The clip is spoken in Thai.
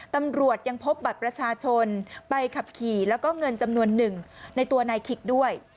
ตำรวจยังพบบัตรประชาชนใบขับขี่แล้วก็เงินจำนวนหนึ่งในตัวนายขิกด้วย